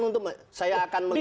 untuk saya akan melihat